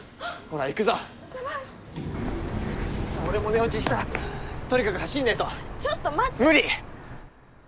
俺も寝落ちしたとにかく走んねえとちょっとま無理！